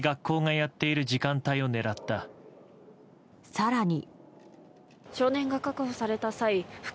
更に。